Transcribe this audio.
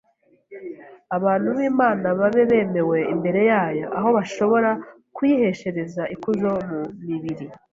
abantu b’Imana babe bemewe imbere yayo, aho bashobora kuyiheshereza ikuzo mu mibiri